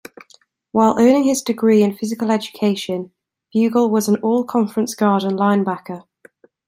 While earning his degree in physical education, Bugel was an all-conference guard and linebacker.